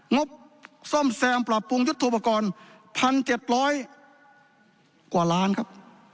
งบซ่อมแซมปรับปรุงยุทธโปรกรณ์๑๗๐๐กว่าล้านครับ